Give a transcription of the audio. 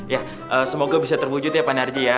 ya semoga bisa terwujud ya pak narji ya